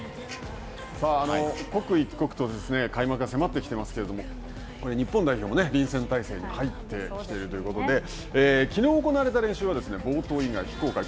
刻一刻と開幕が迫ってきてますけども、日本代表も臨戦態勢に入ってきているということで、きのう行われた練習は、冒頭以外非公開。